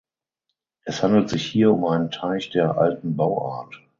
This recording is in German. Es handelt sich hier um einen Teich der „Alten Bauart“.